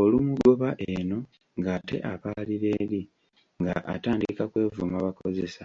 Olumugoba eno ng'ate apaalira eri nga atandika kwevuma bakozesa.